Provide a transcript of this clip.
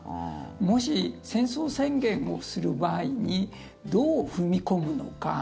もし、戦争宣言をする場合にどう踏み込むのか。